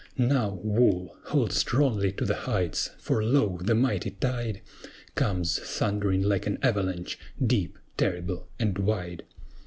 Now, WOOL, hold strongly to the heights! for, lo! the mighty tide Comes, thundering like an avalanche, deep, terrible, and wide.